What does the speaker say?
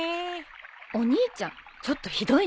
お兄ちゃんちょっとひどいね。